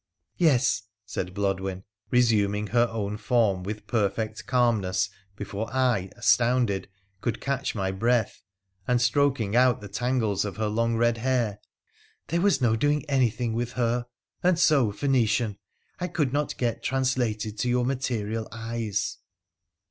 ' Yes,' said Blodwen, resuming her own form with perfect calmness before I, astounded, could catch my breath, and stroking out the tangles of her long red hair, ' there was no doing anything with her, and so, Phoenician, I could not get translated to your material eyes.'